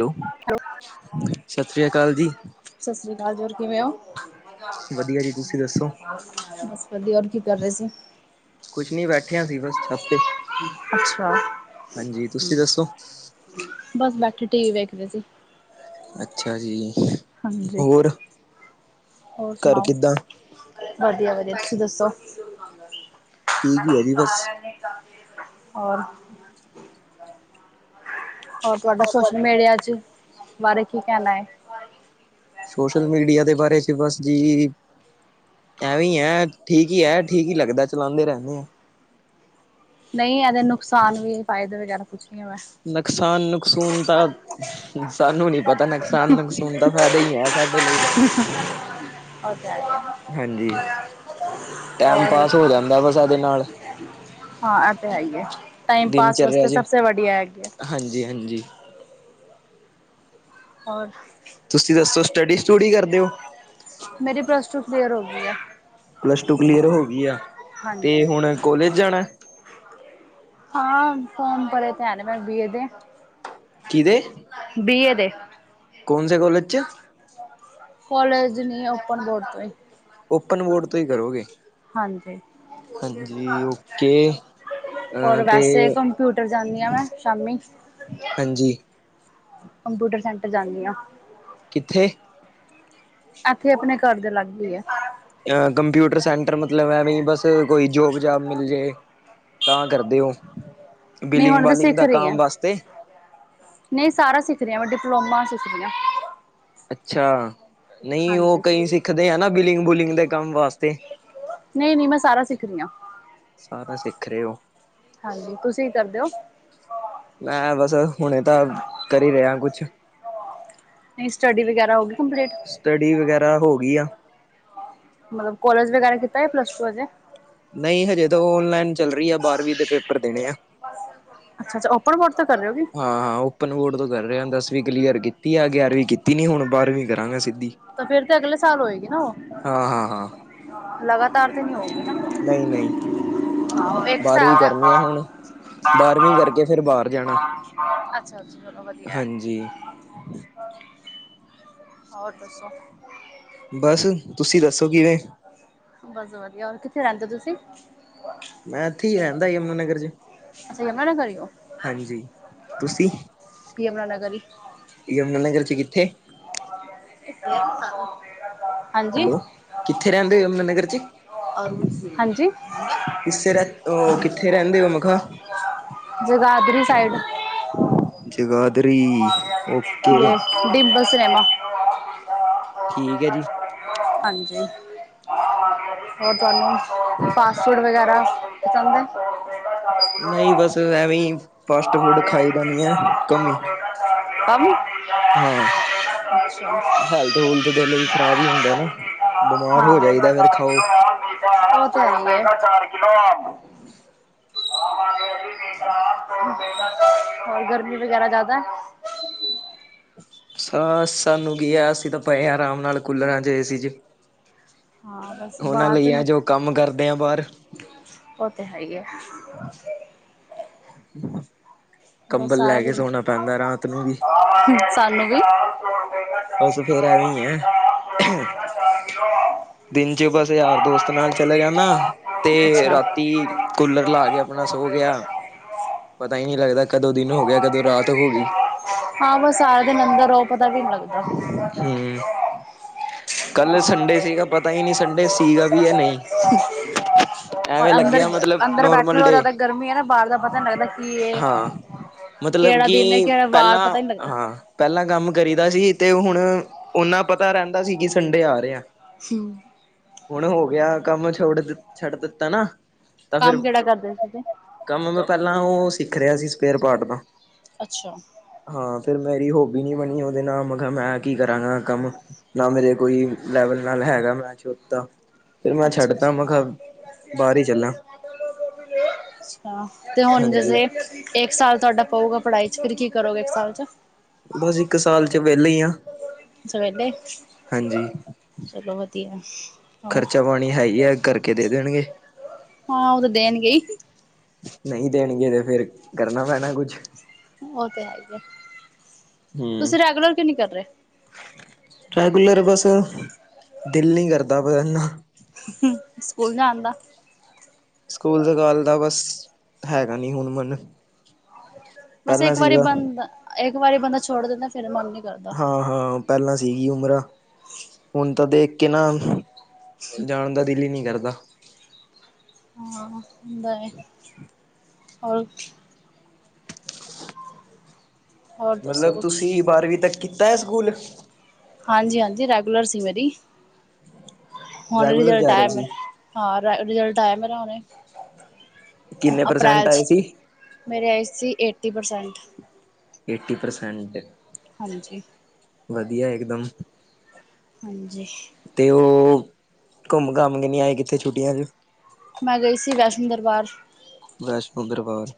Hello ਸਤਿ ਸ੍ਰੀ ਅਕਾਲ ਜੀ ਸਤਿ ਸ਼੍ਰੀ ਅਕਾਲ ਜੀ ਹੋਰ ਕਿਵੇਂ ਹੋ ਵਧੀਆ ਜੀ ਤੁਸੀਂ ਦੱਸੋ? ਵਦੀਆ ਕੀ ਕਰ ਰਹੇ ਸੀ। ਕੁਛ ਨੀ ਬੈਠਿਆ ਸੀ ਬਸ ਛੱਤ ਤੇ ਅੱਛਾ ਹਾਂਜੀ ਤੁਸੀਂ ਦੱਸੋ ਬਸ ਬੈਠੇ ਟੀ ਵੀ ਵੇਖਦੇ ਸੀ। ਅੱਛਾ ਜੀ ਹਾਂਜੀ ਹੋਰ ਹੋਰ ਘਰ ਸੁਣਾਓ ਕਿੱਦਾਂ? ਵਧੀਆ ਵਧੀਆ ਤੁਸੀਂ ਦੱਸੋ ਠੀਕ ਹੀ ਹੈ ਜੀ ਬਸ। ਸਾਰਿਆਂ ਹੋਰ ਹੋਰ ਤੁਹਾਡਾ ਸੋਸ਼ਲ ਮੀਡੀਆ ਚ ਬਾਰੇ ਕੀ ਕਹਿਣਾ ਹੈ। ਸੋਸ਼ਲ ਮੀਡੀਆ ਦੇ ਬਾਰੇ ਚ ਬਸ ਜੀ ਐਵੇਂ ਹੈ ਠੀਕ ਹੀ ਹੈ ਠੀਕ ਹੀ ਲੱਗਦਾ ਚਲਾਉਂਦੇ ਰਹਿੰਦੇ ਆ ਨਹੀਂ ਇਹਦੇ ਨੁਕਸਾਨ ਵੀ ਫਾਇਦੇ ਵਗੈਰਾ ਕੁਛ ਨੀ ਬਸ ਨੁਕਸਾਨ ਨੁਕਸਾਨ ਤਾਂ ਸਾਨੂੰ ਨੀ ਪਤਾ ਨੁਕਸਾਨ ਨਕਸੂਨ ਦਾ ਫਾਇਦਾ ਹੀ ਹੈ ਸਾਡੇ ਲਈ ਹੈ। ਹੋ ਤਾਂ ਹਾਂਜੀ ਟੈਮ ਹੋਰ ਪਾਸ ਹੋ ਜਾਂਦਾ ਬਸ ਇਹਦੇ ਨਾਲ ਹਾਂ ਇ ਤਾਂ ਹੈ ਹੀ ਏ ਟਾਈਮ ਪਾਸ ਵਾਸਤੇ ਸਭਸੇ ਵਧੀਆ ਹੈੱਗੇ ਹਾਂਜੀ ਹਾਂਜੀ ਹੋਰ ਤੁਸੀਂ ਦੱਸੋ, ਸਟੱਡੀ ਸਟੂਡੀ ਕਰਦੇ ਹੋ ਮੇਰੀ ਪ੍ਰਲਸ ਟੂ, ਕਲੀਅਰ ਹੋ ਗਈ ਹੈ ਪਲੱਸ ਟੂ ਕਲੀਅਰ ਹੋ ਗਈ ਆ, ਤੇ ਹਾਂਜੀ ਹੁਣ ਕੋਲੇਜ ਜਾਣਾ ਹਾਂ ਫੋਰਮ ਭਰੇ ਤੇ ਹੈਨੇ, ਮੈਂ ਬੀ ਏ ਦੇ ਕਿਦੇ ਬੀ ਏ, ਦੇ ਕੌਨ ਸੇ ਕਾੱਲੇਜ ਚ ਕੋਲੇਜ ਨਹੀਂ, ਓਪਨ ਬੋਰਡ ਤੋਂ ਓਪਨ ਬੋਰਡ, ਤੋਂ ਹੀ ਕਰੋਗੇ ਹਾਂਜੀ ਹਾਂਜੀ ਓਕੇ ਹੋਰ ਅ ਤੇ ਵੈਸੇ, ਕੰਪਿਊਟਰ ਜਾਂਦੀ ਆਂ, ਮੈਂ ਸ਼ਾਮੀ ਹਾਂਜੀ ਕੰਪਿਊਟਰ ਸੈਂਟਰ ਜਾਂਨੀ ਆਂ ਕਿੱਥੇ ਏਥੇ ਆਪਣੇ ਘਰ ਦੇ ਲਾਗੇ ਹੀ ਐ ਅ ਕੰਪਿਊਟਰ ਸੈਂਟਰ, ਮਤਲਬ ਐਵੇਂ ਬਸ ਕੋਈ ਜੋਬ ਜਾਬ ਮਿਲ ਜੇ ਤਾਂ ਕਰਦੇ ਹੋ, ਨਹੀਂ ਬਿਲਿੰਗ ਹੁਣ ਤਾਂ ਬਾਲਿੰਗ ਸਿੱਖ ਦਾ ਰਹੀ ਹੈ ਕੰਮ ਵਾਸਤੇ ਨਹੀਂ ਸਾਰਾ ਸਿੱਖਦੀਆਂ, ਮੈਂ ਡਿਪਲੋਮਾ ਸਿੱਖਦੀ ਆਂ ਅੱਛਾ ਨਹੀਂ ਉਹ ਹਾਂਜੀ ਕਈ ਸਿੱਖਦੇ ਆ, ਨਾ ਬਿਲਿੰਗ ਬੁਲਿੰਗ ਦੇ ਕੰਮ ਵਾਸਤੇ ਨਹੀਂ ਨਹੀਂ, ਮੈਂ ਸਾਰਾ ਸਿੱਖਦੀ ਆਂ ਸਾਰਾ ਸਿੱਖ ਰਹੇ ਹੋ ਹਾਂਜੀ, ਤੁਸੀਂ ਕੀ ਕਰਦੇ ਹੋ ਮੈਂ ਬਸ ਹੁਣੇ ਤਾਂ ਕਰੀ ਹੀ ਰਿਹਾ ਕੁਛ ਨਹੀਂ ਸਟੱਡੀ ਵਗੈਰਾ, ਹੋ ਗਈ ਕੰਪਲੀਟ ਸਟੱਡੀ ਵਗੈਰਾ ਹੋ ਗਈ ਆ ਮਤਲਬ ਕੋਲਜ ਵਗੈਰਾ ਕੀਤਾ ਹੈ, ਪਲੱਸ ਟੂ ਅਜੇ ਨਹੀਂ ਹਜੇ ਤਾਂ ਔਨਲਾਈਨ ਚੱਲ ਰਹੀ ਆ, ਬਾਰਵੀਂ ਦੇ ਪੇਪਰ ਦੇਣੇ ਐ ਅੱਛਾ ਅੱਛਾ ਔਪਨ ਬੋਰਡ ਤੋ ਕਰ ਰਹੇ ਹੋ ਜੀ। ਹਾਂ ਹਾਂ ਓਪਨ ਬੋਰਡ ਤੋਂ ਕਰ ਰਿਹਾ, ਦਸਵੀਂ ਕਲੀਅਰ ਕੀਤੀ ਆ, ਗਿਆਰਵੀਂ ਕੀਤੀ ਨੀ, ਹੁਣ ਬਾਰਵੀਂ ਕਰਾਂਗੇ ਸਿੱਧੀ ਤਾਂ ਫਿਰ ਤੇ ਅਗਲੇ ਸਾਲ ਹੋਏਗੀ ਨਾ ਉਹ ਹਾਂ-ਹਾਂ-ਹਾਂ ਲਗਾਤਾਰ ਤੇ ਨੀ ਹੋਏਗੀ ਨਾ ਨਹੀਂ-ਨਹੀਂ ਫਿਰ, ਇੱਕ ਬਾਰਵੀਂ ਸਾਲ ਕਰਨੀ ਆ ਹੁਣ ਬਾਰਵੀਂ ਕਰਕੇ ਫਿਰ ਬਾਹਰ ਜਾਣਾ ਅੱਛਾ ਅੱਛਾ ਚਲੋ ਵਧੀਆ ਹਾਂਜੀ। ਦਸ਼ੌ ਬਸ, ਤੁਸੀਂ ਦੱਸੋ ਕਿਵੇਂ ਬਸ ਵਧੀਆ, ਹੋਰ ਕਿੱਥੇ ਰਹਿੰਦੇ ਹੋ ਤੁਸੀਂ ਮੈਂ ਇੱਥੇ ਹੀ ਰਹਿੰਦਾ, ਯਮੁਨਾ ਨਗਰ ਜੀ ਅੱਛਾ ਯਮੁਨਾ ਨਗਰ ਈ ਉਹ, ਤੁਸੀਂ ਯਮੁਨਾ ਨਗਰ ਹੀ ਯਮੁਨਾ ਨਗਰ ਚ ਕਿੱਥੇ ਸ [unintelligible] ਹੈਲੋ, ਕਿੱਥੇ ਰਹਦੇ ਹੋ, ਯਮੁਨ ਨਗਰ ਚ ਹਾਂਜੀ ਕਿਸੇ ਰ ਉਹ, ਕਿੱਥੇ ਰਹਿੰਦੇ ਹੋ ਮਖਾਂ ਜਗਾਦਰੀ ਸਾਈਡ ਜਗਾਦਰੀ ਓਕੇ ਡਿੰਬਸ ਹੈ ਨਾ ਠੀਕ ਹੈ ਜੀ ਹਾਂਜੀ, ਹੋਰ ਤੁਹਾਨੂੰ ਫਾਸਟ ਫੂਡ ਵਗੈਰਾ ਚੰਗਾ ਐ ਨਹੀਂ ਬਸ ਐਵੇਂ ਈ, ਫਾਸਟ ਫੂਡ ਖਾਈ ਦਾ ਨਹੀਂ ਹੈ, ਕਮ ਹੀ ਕੰਮ ਹਾਂ ਹੈਲਥ ਹੂਲਥ ਦੇ ਲਈ ਖ਼ਰਾਬ ਹੀ ਹੁੰਦਾ ਨਾ ਬਿਮਾਰ ਹੋ ਜਾਈਦਾ ਫੇਿਰ ਖਾਓ। [unintelligible] ਹੋਰ ਗਰਮੀ ਵਗੈਰਾ ਜ਼ਿਆਦਾ [unintelligible] ਸ ਸਾਨੂੰ ਕੀ ਹੈ ਅਸੀਂ ਤਾਂ ਪਏ ਹਾਂ ਆਰਾਮ ਨਾਲ ਕੂਲਰਾਂ ਚ ਏ ਸੀ ਜੇ ਹਾਂ ਬਸ ਉਹਨਾਂ ਲਈ ਆ ਜੋ ਕੰਮ ਕਰਦੇ ਆ ਬਾਹਰ ਓ ਤੇ ਹੈ ਈ ਐ। ਬਸ ਕੰਬਲ ਸਾਰਾ ਲੈ ਕੇ ਦਿਨ ਸੋਣਾ ਪੈਂਦੈ ਰਾਤ ਨੂੰ ਵੀ। ਸਾਨੂੰ ਵੀ। ਬੱਸ ਫੇਰ ਐਵੇਂ ਈ ਐ। [inaudible] ਦਿਨ ਚ ਬਸ ਯਾਰ ਦੋਸਤ ਨਾਲ ਚਲੇ ਜਾਂਨਾ ਤੇ ਰਾਤ ਤੀ, ਕੂਲਰ ਲਾ ਕੇ ਆਪਣਾ ਸੋ ਗਿਆ। ਪਤਾ ਹੀ ਨਹੀਂ ਲੱਗਦਾ ਕਦੋਂ ਦਿਨ ਹੋ ਗਿਆ ਕਦੋਂ ਰਾਤ ਹੋ ਗਈ। ਹਾਂ, ਬਸ ਸਾਰਾ ਦਿਨ ਅੰਦਰ ਰਹੋ ਪਤਾ ਵੀ ਨੀ ਲਗਦਾ। ਹੰ ਬਸ, ਹੀ ਨਹੀਂ ਸੰਡੇ ਸੀਗਾ ਵੀ ਹੈ ਨਹੀਂ [unintelligible] ਪਰ ਐਵੇਂ ਅੰਦਰ ਲੱਗਿਆ ਮਤਲਬ ਅੰਦਰ ਬੈਠੇ ਨੋਰਮਲ ਰਹੋ ਡੇ ਜਿਆਦਾ ਗਰਮੀ ਹੈ ਨਾ ਬਾਹਰ ਦਾ ਪਤਾ ਨੀ ਲੱਗਦਾ ਕੀ ਇਹ ਹਾਂ ਮਤਲਬ ਕਿਹੜਾ ਕਿ ਦਿਨ ਹੈ ਕਿਹੜਾ ਵਾਰ ਪਹਿਲਾਂ ਪਤਾ ਨੀ ਲੱਗਦਾ ਹਾਂ ਪਹਿਲਾਂ ਕੰਮ ਕਰੀ ਦਾ ਸੀ ਤੇ ਹੁਣ ਓਨਾ ਪਤਾ ਰਹਿੰਦਾ ਸੀ ਕਿ ਸੰਡੇ ਆ ਰਹੇ ਆ ਹਮ [unintelligible] ਹੁਣ ਹੋ ਗਿਆ ਕੰਮ ਛੋੜ ਛੱਡ ਦਿੱਤਾ ਨਾ ਤਾਂ ਫਿਰ ਕੰਮ ਕਿਹੜਾ ਕਰਦੇ ਸੀ ਤੇ ਕੰਮ ਮੈਂ ਪਹਿਲਾਂ ਉਹ ਸਿੱਖ ਰਿਹਾ ਸੀ ਸਪੇਅਰ ਪਾਰਟ ਦਾ ਅੱਛਾ। ਹਾਂ ਫੇਿਰ ਮੇਰੀ ਹੋਬੀ ਨੀ ਬਣੀ ਉਹਦੇ ਨਾਲ ਮੈਂ ਕਿਹਾ ਮੈਂ ਕੀ ਕਰਾਂਗਾ ਕੰਮ ਨਾ ਮੇਰੇ ਕੋਈ ਲੈਵਲ ਨਾਲ ਹੈਗਾ ਮੈਚ ਉ ਤਾਂ ਫਿਰ ਮੈਂ ਅੱਛਾ ਛੱਡਤਾ ਅੱਛਾ ਮੈਂ ਕਿਹਾ ਬਾਹਰ ਹੀ ਚੱਲਾਂ [unintelligible] ਅੱਛਾ ਤੇ ਹੁਣ ਹਾਂਜੀ ਜਸੇ ਇੱਕ ਸਾਲ ਤੁਹਾਡਾ ਪਊਗਾ ਪੜ੍ਹਾਈ ਚ ਫਿਰ ਕੀ ਕਰੋਗਾ ਇੱਕ ਸਾਲ ਚ [unintelligible] ਬਸ ਇੱਕ ਸਾਲ ਚ ਵਿਹਲੇ ਹੀ ਆ ਸਵੇਡੇ ਹਾਂਜੀ। ਚਲੋ ਵਧੀਆ। ਹੋਰ ਖਰਚਾ ਪਾਣੀ ਹੈ ਹੀ ਐ ਕਰਕੇ ਦੇ ਦੇਣਗੇ। ਹਾਂ ਉਹ ਤਾਂ ਦੇਣਗੇ ਹੀ ਨਹੀਂ ਦੇਣਗੇ ਤੇ ਫੇਰ ਕਰਨਾ ਪੈਣਾ ਕੁੱਛ। ਉਹ ਤੇ ਹੈ ਹੀ ਐ ਹੂੰ। ਤੁਸੀਂ ਰੈਗੂਲਰ ਕਿਓਂ ਨੀ ਕਰ ਰਹੇ? ਰੈਗੂਲਰ ਬਸ ਦਿਲ ਨਹੀਂ ਕਰਦਾ ਪਿਆ ਇੰਨਾ। ਸਕੂਲ ਜਾਣ ਦਾ ਸਕੂਲ- ਸਕਾਲ ਦਾ ਬਸ ਹੈਗਾ ਨੀ ਹੁਣ ਮਨ। ਬਸ ਪਹਿਲਾਂ ਇੱਕ ਵਾਰੀ ਸੀਗਾ। ਬੰਦਾ ਇੱਕ ਵਾਰੀ ਬੰਦਾ ਛੋੜ ਦਿੰਦਾ ਫੇਰ ਮੰਨ ਨੀ ਕਰਦਾ ਹਾਂ-ਹਾਂ ਪਹਿਲਾਂ ਸੀਗੀ ਉਮਰ ਹੁਣ ਤਾਂ ਦੇਖ ਕੇ ਨਾ ਜਾਣ ਦਾ ਦਿਲ ਹੀ ਨਹੀਂ ਕਰਦਾ। ਹਾਂ ਹੁੰਦਾ ਏ ਹੋਰ ਹੋਰ ਦੱਸੋ ਮਤਲਬ ਕੁਛ ਤੁਸੀਂ ਬਾਰਵੀਂ ਤੱਕ ਕੀਤੈ ਸਕੂਲ? ਹਾਂਜੀ ਹਾਂਜੀ ਰੈਗੂਲਰ ਸੀ ਮੇਰੀ ਹੁਣ ਰੈਗੂਲਰ ਰਿਜਲਟ ਜਾ ਰਹੇ ਆਇਆ ਸੀ। ਮੇਰਾ। ਹਾਂ ਰੈ ਰਿਜਲਟ ਆਇਆ ਮੇਰਾ ਹੁਣੇ ਕਿੰਨੇ ਅਪ੍ਰੈਲ ਪ੍ਰਸੈਂਟ ਆਏ ਚ। ਸੀ? ਮੇਰੇ ਆਏ ਸੀ ਏਟੀ ਪਰਸੈਂਟ। Eighty percent. ਹਾਂਜੀ ਵਧੀਆ ਏਕਦਮ। ਹਾਂਜੀ। ਤੇ ਓ ਘੁੰਮ-ਘਾਮ ਕੇ ਨਹੀਂ ਆਏ ਕਿੱਥੇ ਛੁੱਟੀਆਂ ਚ। ਮੈਂ ਗਈ ਸੀ, ਵੈਸ਼ਨੋ ਦਰਬਾਰ। ਵੈਸ਼ਨੋ ਦਰਬਾਰ।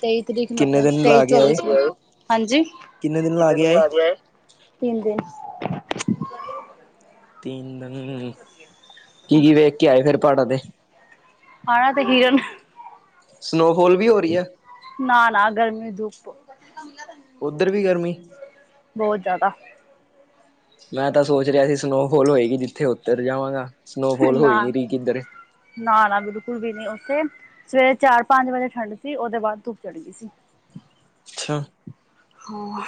ਤੇਈ ਤਰੀਕ ਨੂੰ ਆਈ ਕਿੰਨੇ ਆਂ, ਦਿਨ ਤੇਈ ਲਾ ਕੇ ਚੌਵੀ ਆਏ ਚ, ਕਿਦਣ ਗਏ, ਹਾਂਜੀ, ਕਿੰਨੇ ਦਿਨ ਲਾ ਕੇ ਆਏ? ਤਿੰਨ ਦਿਨ ਚ। ਤਿੰਨ ਦਿਨ, ਕੀ ਵੇਖ ਕੇ ਆਏ ਫੇਰ ਪਹਾੜਾਂ ਤੇ? ਪਹਾੜਾਂ ਤੇ ਹਿਰਨ। ਸਨੋਫੋਲ ਵੀ ਹੋ ਰਹੀ ਐ? ਨਾ, ਨਾ, ਗਰਮੀ ਧੁੱਪ। ਉੱਧਰ, ਵੀ ਗਰਮੀ? ਬਹੁਤ, ਜ਼ਿਆਦਾ। ਮੈਂ ਤਾਂ, ਸੋਚ ਰਿਹਾ ਸੀ ਸਨੋਫੋਲ ਹੋਏਗੀ। ਜਿੱਥੇ ਉੱਧਰ, ਜਾਵਾਂਗਾ ਸਨੋਫੋਲ ਹੋਈ ਨਹੀ ਕਿੱਧਰੇ। ਨਾਲ ਨਾ ਬਿਲਕੁਲ, ਵੀ ਨੀ ਉੱਥੇ, ਸਵੇਰੇ ਚਾਰ ਪੰਜ ਵਜੇ ਠੰਡ ਸੀ। ਉਹਦੇ ਬਾਅਦ, ਧੁੱਪ ਚੜ੍ਹ ਗਈ ਸੀ। ਅੱਛਾ, ਹਾਂ।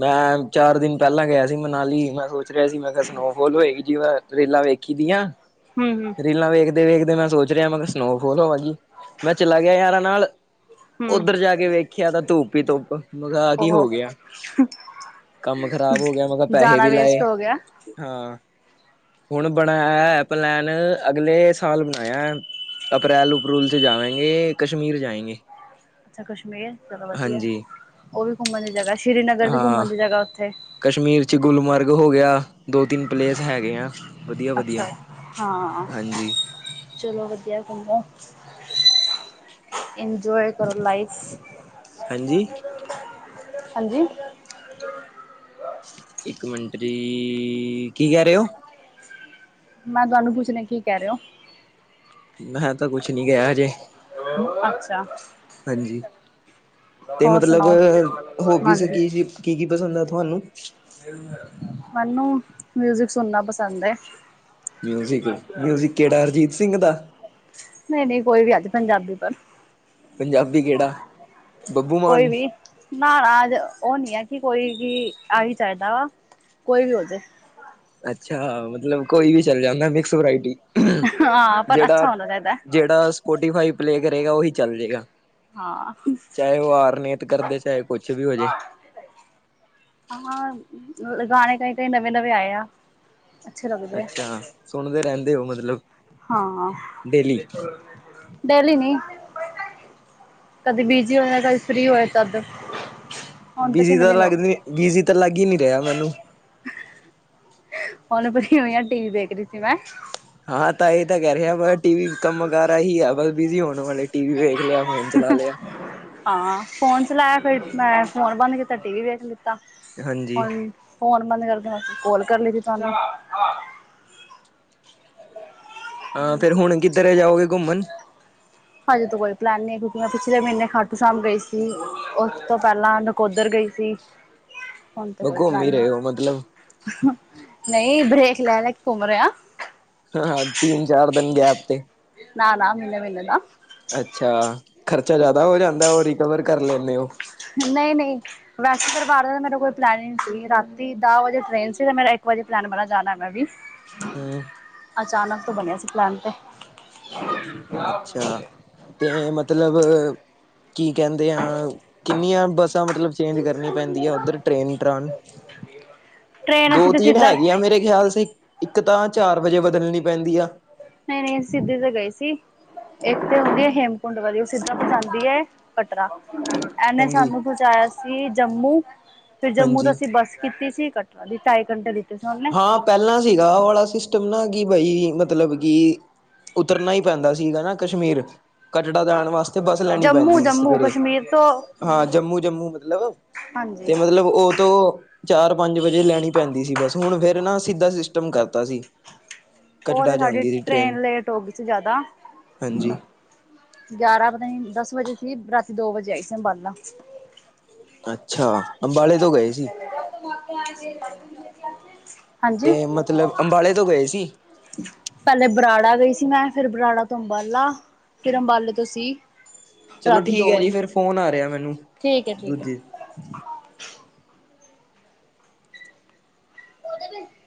ਮੈਂ, ਚਾਰ ਦਿਨ ਪਹਿਲਾਂ, ਗਿਆ ਸੀ ਮਨਾਲੀ ਮੈਂ ਸੋਚ ਰਿਹਾ ਸੀ। ਮੈਂ, ਕਿਹਾ ਸਨੋਫੋਲ ਹੋਏਗੀ ਜਿਵੇਂ ਰੇਲਾ, ਵੇਖੀ ਦੀਆਂ। ਹਮ, ਹਮ ਰੀਲਾਂ ਵੇਖਦੇ-ਵੇਖਦੇ ਮੈਂ ਸੋਚ ਰਿਹਾਂ ਮੈਂ ਕਿਹਾ ਸਨੋਫੋਲ ਹੋਵੇਗੀ ਮੈਂ ਚਲਾ ਗਿਆ ਯਾਰਾਂ ਨਾਲ। ਹੂੰ ਓਧਰ ਜਾ ਕੇ ਵੇਖਿਆ ਤਾਂ ਧੁੱਪ ਹੀ ਧੁੱਪ, ਮੈ ਕਿਹਾ ਆ ਕੀ ਹੋ ਗਿਆ। ਹੰ। ਕੰਮ ਖ਼ਰਾਬ ਹੋ ਗਿਆ, ਮੈਂ ਕਿਹਾ ਪੈਸੇ ਵੀ ਲਾਏ, ਗਿਆ ਹਾਂ। ਹੁਣ ਬਣਾਇਆ ਪਲੈਨ, ਅਗਲੇ ਸਾਲ ਬਣਾਇਆ। ਅਪ੍ਰੈਲ ਅਪਰੂਲ ਚ ਜਾਵੇਂਗੇ, ਕਸ਼ਮੀਰ ਜਾਏਂਗੇ। ਅੱਛਾ ਕਸ਼ਮੀਰ, ਚਲੋ ਵਧੀਆ। ਹਾਂਜੀ ਉਹ ਵੀ ਘੁੰਮਣ ਦੀ ਜਗਾ, ਸ੍ਰੀਨਗਰ ਵੀ ਹਾਂ। ਘੁੰਮਣ ਦੀ ਜਗਾ ਉੱਥੇ। ਕਸ਼ਮੀਰ ਚ ਗੁਲਮਾਰਗ ਹੋ ਗਿਆ, ਦੋ ਤਿੰਨ ਪਲੇਸ ਹੈਗੇ ਆਂ। ਅੱਛਾ, ਹਾਂ। ਹਾਂਜੀ ਚਲੋ ਵਧੀਆ, ਘੁੰਮੋ। ਇੰਜੋਏ ਕਰੋ ਲਾਈਫ। ਹਾਂਜੀ ਹਾਂਜੀ ਇੱਕ ਮਿੰਟ ਜੀ, ਕੀ ਕਹਿ ਰਹੇ ਹੋ? ਮੈਂ ਤੁਹਾਨੂੰ, ਪੁੱਛਣਾ ਕੀ ਕਹਿ ਰਹੇ ਹੋ। ਮੈਂ ਤਾਂ, ਕੁਛ ਨਹੀਂ ਕਿਹੈ ਅਜੇ। ਅੱਛਾ, ਹਾਂਜੀ, ਤੇ ਹੋਰ ਮਤਲਬ ਸੁਣਾਓ ਹੋਬੀਜ਼ ਹਾਂਜੀ ਕੀ ਸੀ। ਕੀ, ਕੀ, ਪਸੰਦ ਹੈ ਤੁਹਾਨੂੰ? ਮੈਨੂੰ, ਮਿਊਜਿਕ ਸੁਣਨਾ, ਪਸੰਦ ਹੈ। ਮਿਊਜ਼ਿਕ, ਮਿਊਜਿਕ ਕਿਹੜਾ, ਹਰਜੀਤ ਸਿੰਘ ਦਾ। ਨਹੀਂ ਨਹੀਂ, ਕੋਈ ਵੀ, ਅੱਜ ਪੰਜਾਬੀ, ਬਸ। ਪੰਜਾਬੀ, ਕਿਹੜਾ, ਬੱਬੂ ਮਾਨ। ਕੋਈ ਵੀ ਨਹਾਣਾ [inaudible] ਅਜ ਉਹ ਨੀ ਆ। ਕਿ ਕੋਈ ਵੀ ਆ ਹੀ ਚਾਹੀਦਾ, ਵਾ ਕੋਈ ਵੀ ਹੋਜੇ। ਅੱਛਾ, ਮਤਲਬ ਕੋਈ ਵੀ ਚੱਲ ਜਾਂਦਾ ਹੈ। Mix, variety. ਹਾਂ ਪਰ ਜਿਹੜਾ, ਅੱਛਾ ਹੋਣਾ ਚਾਹੀਦਾ ਜਿਹੜਾ ਸਪੋਟੀਫਾਈ ਪਲੇਅ ਕਰੇਂਗਾ। ਉਹੀ, ਚੱਲ ਜਾਏਗਾ। ਹਾਂ ਚਾਹੇਂ ਉਹ, ਆਰਨੀਤ ਕਰਦੇ ਚਾਹੇ, ਕੁਛ ਵੀ ਹੋਜੇ। ਹਾਂ, ਗਾਣੇ ਕਈ ਕਈ, ਨਵੇਂ ਨਵੇਂ, ਆਏ ਆ। ਅੱਛੇ ਲੱਗਦੇ ਅੱਛਾ, ਸੁਣਦੇ ਰਹਿੰਦੇ ਹੋ, ਮਤਲਬ। ਹਾਂ। ਡੇਲੀ ਡੇਲੀ ਨੀ, ਕਦੀ ਬਿਜੀ ਹੋਏ, ਕਦੀ ਫਰੀ ਹੋਏ। ਤਦ ਹੁਣ ਬਿਜੀ ਕਿੰਨੇ ਤਾਂ ਦਿਨ ਹੋ ਲੱਗਦੀ ਗਏ ਬੀਜੀ ਤਾਂ, ਲੱਗ ਹੀ ਨਹੀ ਰਿਹਾ ਮੈਨੂੰ। ਹੁਣ ਫਰੀ ਹੋਈ ਆ ਟੀ ਵੀ ਦੇਖ ਰਹੀ ਸੀ ਮੈਂ। ਹਾਂ, ਤਾਂ ਇਹ ਤਾਂ ਕਹਿ ਰਹੇ ਆ ਟੀ ਵੀ ਕੰਮ ਕਰ ਆਹੀ ਆ ਬਿਜੀ ਹੋਣ ਵਾਲੇ ਹੀ ਹੈ। ਟੀ, ਵੀ ਵੇਖ ਲਿਆ, ਫੋਨ ਚਲਾ ਲਿਆ। ਹਾਂ, ਫੋਨ ਚਲਾਇਆ ਫਿਰ ਮੈਂ, ਫੋਨ ਬੰਦ ਕੀਤਾ ਟੀ ਵੀ ਵੇਖ ਲੀਤਾ ਹਾਂਜੀ ਹੁਣ ਫੋਨ ਬੰਦ ਕਰਦੇ ਨਾਲ ਕੋਲ ਕਰ ਲਈ ਸੀ ਤੁਹਾਨੂੰ। ਹਾਂ ਫੇਰ ਹੁਣ ਕਿੱਧਰੇ ਜਾਓਗੇ ਘੁੰਮਣ? ਹਜੇ ਤੋਂ ਕੋਈ ਪਲੈਨ ਨਹੀਂ ਹੈ ਕਿਉਂਕਿ ਮੈਂ ਪਿਛਲੇ ਮਹੀਨੇ ਖਾਟੂ ਸ਼ਾਮ ਗਈ ਸੀ, ਉਸ ਤੋਂ ਪਹਿਲਾਂ ਨਕੋਦਰ ਗਈ ਸੀ। [inaudible] ਹੁਣ ਤਾਂ ਕੋਈ ਘੁੰਮ ਪਲਾਨ ਹੀ ਰਹੇ ਹੋ ਨਹੀਂ ਮਤਲਬ। ਨਹੀਂ ਬਰੇੇਕ ਲੈ-ਲੈ ਕੇ ਘੁੰਮ ਰਹੇ ਆ। ਹਾਂ-ਹਾਂ ਤੀਨ-ਚਾਰ ਦਿਨ ਗੈਪ ਤੇ। ਨਾ-ਨਾ ਮਹੀਨੇ-ਮਹੀਨੇ ਦਾ। ਅੱਛਾ, ਖਰਚਾ ਜਿਆਦਾ ਹੋ ਜਾਂਦਾ ਉਹ ਰਿਕਵਰ ਕਰ ਲੈਂਨੇ ਓ। ਨਹੀਂ-ਨਹੀਂ ਵੈਸ਼ਨੋ ਦਰਬਾਰ ਦਾ ਤਾਂ ਮੇਰਾ ਕੋਈ ਪਲੈਨ ਹੀ ਨਹੀਂ ਸੀ ਰਾਤੀ ਦਸ ਵਜੇ ਟ੍ਰਰੇਨ ਸੀ ਤੇ ਮੇਰਾ ਇੱਕ ਵਜੇ ਪਲੈਨ ਬਣਿਆ ਜਾਣਾ ਮੈਂ ਵੀ। ਹਾਂ ਅਚਾਨਕ ਤੋਂ ਬਣਿਆ ਸੀ ਪਲੈਨ 'ਤੇ। ਅੱਛਾ। ਤੇ ਮਤਲਬ, ਕੀ ਕਹਿੰਦੇ ਆ, ਕਿੰਨੀਆਂ ਬੱਸਾਂ ਮਤਲਬ ਚੇਂਜ ਕਰਨੀਆਂ ਪੈਂਦੀਆ ਉੱਧਰ ਟ੍ਰੇਨ ਟਰਾਨ? ਮਿਹਰਬਾਨੀ ਦੋ-ਤਿੰਨ ਹੈਗੀਆਂ ਮੇਰੇ ਖਿਆਲ ਸੀ, ਇੱਕ ਤਾਂ ਚਾਰ ਵਜੇ ਬਦਲਣੀ ਪੈਂਦੀ ਆ। ਨਹੀਂ-ਨਹੀਂ ਅਸੀਂ ਸਿੱਧੀ ਤੇ ਗਏ ਸੀ। ਇੱਕ ਤੇ ਹੁੰਦੀ ਹੈ ਹੇਮਕੁੰਡ ਵਾਲੀ ਉਹ ਸਿੱਧਾਂ ਪਚਾਦੀ ਏ ਐ, ਪਟਰਾ। ਇਹਨੇ ਹਾਂਜੀ ਸਾਨੂੰ ਪਹੁੰਚਾਇਆ ਸੀ ਜੰਮੂ, ਫਿਰ ਜੰਮੂ ਤੋਂ ਹਾਂਜੀ ਅਸੀਂ ਬੱਸ ਕੀਤੀ ਸੀ ਇਕ ਢਾਈ ਘੰਟੇ ਦੀ। ਹਾਂ ਪਹਿਲਾਂ ਸੀਗਾ ਆਹ ਵਾਲਾ ਸਿਸਟਮ ਨਾ ਕਿ ਬਈ ਮਤਲਬ ਕਿ ਉਤਰਨਾ ਹੀ ਪੈਂਦਾ ਸੀਗਾ ਨਾ ਕਸ਼ਮੀਰ। ਕਟੜਾ ਜਾਣ ਵਾਸਤੇ ਬੱਸ ਲੈਣੀ ਜੰਮੂ ਪੈਂਦੀ ਸੀ ਜੰਮੂ ਸਵੇਰੇ। ਕਸ਼ਮੀਰ ਤੋਂ ਹਾਂ ਜੰਮੂ-ਜੰਮੂ ਮਤਲਬ, ਹਾਂਜੀ ਤੇ ਮਤਲਬ ਉਹ ਤੋਂ ਚਾਰ-ਪੰਜ ਵਜੇ ਲੈਣੀ ਪੈਂਦੀ ਸੀ ਬਸ ਹੁਣ ਫੇਰ ਨਾ ਸਿੱਧਾ ਸਿਸਟਮ ਕਰਤਾ ਸੀ। ਉਹ ਤੇ ਕਟੜਾ ਸਾਡੀ ਜਾਂਦੀ ਸੀ ਟ੍ਰੇਨ ਲੇਟ ਹੋ ਗਈ ਸੀ ਜ਼ਿਆਦਾ। ਹਾਂਜੀ ਗਿਆਰਾਂ ਪਤਾ ਨੀ ਦਸ ਵਜੇ ਸੀ ਰਾਤੀ ਦੋ ਵਜੇ ਆਈ ਸੀ ਅੰਬਾਲਾ। ਅੱਛਾ, ਅੰਬਾਲੇ ਤੋਂ ਗਏ ਸੀ। ਹਾਂਜੀ ਤੇ ਮਤਲਬ ਅੰਬਾਲੇ ਤੋਂ ਗਏ ਸੀ। ਪਹਿਲੇ ਬਰਾੜਾ ਗਈ ਸੀ ਮੈਂ ਫੇਰ ਬਰਾੜਾ ਤੋਂ ਅੰਬਾਲਾ। ਫਿਰ ਅੰਬਾਲੇ ਤੋਂ ਸੀ। ਚਲੋ ਰਾਤੀ ਠੀਕ ਦੋ ਹੈ ਜੀ ਵਜੇ ਫੇਰ ਫੋਨ ਆ ਰਿਹਾ ਮੈਨੂੰ ਠੀਕ ਹੈ ਠੀਕ ਹੈ ਦੂਜੇ ਉਹਦੇ ਵਿੱਚ